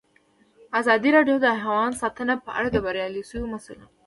ازادي راډیو د حیوان ساتنه په اړه د بریاوو مثالونه ورکړي.